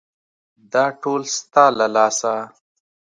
_دا ټول ستا له لاسه.